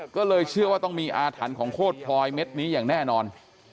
ก็เลยเชื่อว่าต้องมีอาถรรพ์ของโคตรพลอยเม็ดนี้อย่างแน่นอน